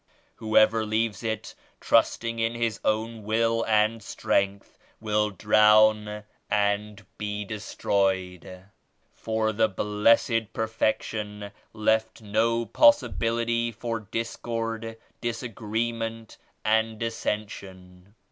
Whoever leaves it trusting in his own will and strength will drown 49 and be destroyed. For the Blessed Perfection left no possibility for discord, disagreement and dissension.